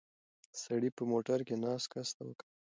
سړي په موټر کې ناست کس ته وکتل.